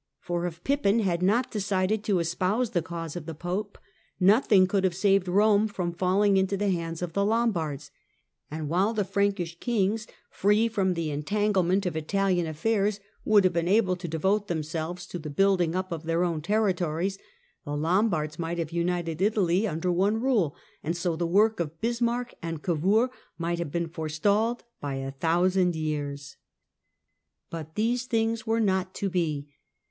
For if Pippin had not decided to espouse the cause of the Pope, no ! thing could have saved Rome from falling into the hands of the Lombards, and while the Frankish kings, free from the entanglement of Italian affairs, would have been able to devote themselves to the building up of their own territories, the Lombards might have united Italy under their rule, and so the work of Bismarck and Gavour might have been forestalled by a thousand years. But these things were not to be.